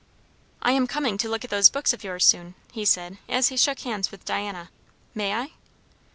"I am coming to look at those books of yours soon," he said, as he shook hands with Diana. "May I?"